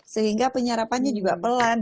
sehingga penyerapannya juga pelan